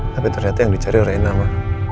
tapi ternyata yang dicari rina ma